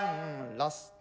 ラスト。